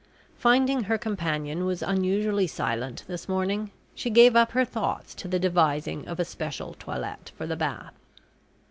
Finding her companion was unusually silent this morning, she gave up her thoughts to the devising of a special toilet for the Bath.